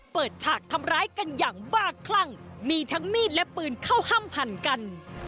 ฉากทำร้ายกันอย่างบ้าคลั่งมีทั้งมีดและปืนเข้าห้ามหันกัน